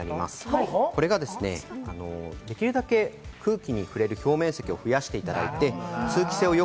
こちら、できるだけ空気に触れる表面積を増やしていただいて、通気性をよ